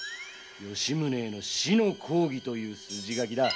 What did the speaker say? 吉宗への死の抗議という筋書きだ。